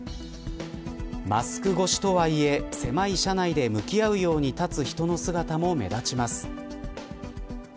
マスク越しとはいえ狭い車内で向き合うように立つ人の姿も目立ちます。